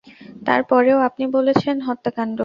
তার পরেও আপনি বলছেন হত্যাকাণ্ড?